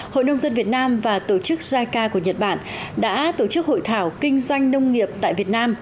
hội nông dân việt nam và tổ chức jica của nhật bản đã tổ chức hội thảo kinh doanh nông nghiệp tại việt nam